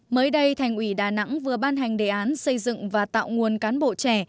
mới đây thành ủy đà nẵng vừa ban hành đề án xây dựng và tạo nguồn cán bộ trẻ